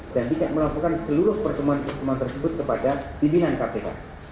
dan tidak melakukan seluruh pertemuan pertemuan tersebut kepada pimpinan kpk